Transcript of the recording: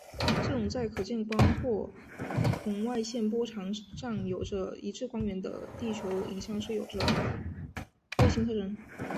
这种在可见光或红外线波长上有着一致光源的地球影像是有用的卫星特征。